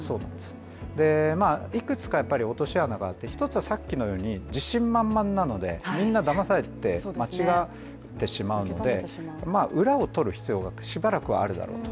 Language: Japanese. いくつか落とし穴があって１つはさっきのように自信満々なので、みんなだまされて間違ってしまうので、裏を取る必要がしばらくはあるだろう。